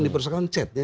di persoalan chatnya